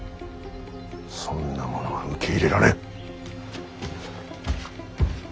そんなものは受け入れられん！